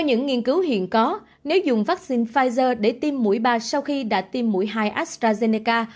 chuyện có nếu dùng vaccine pfizer để tiêm mũi ba sau khi đã tiêm mũi hai astrazeneca